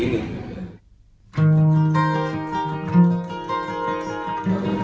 jadi seperti ini